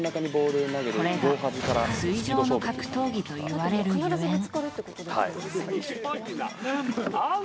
これが水上の格闘技といわれるゆえん。